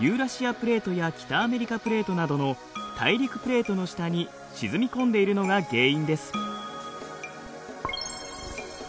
プレートや北アメリカプレートなどの大陸プレートの下に沈み込んでいるのが原因です。